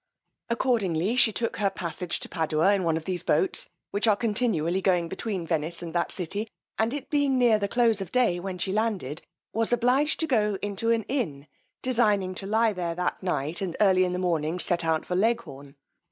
Accordingly she took her passage to Padua in one of those boats, which are continually going between Venice and that city; and it being near the close of day when she landed, was obliged to go into an inn, designing to lye there that night, and early in the morning set out for Leghorn.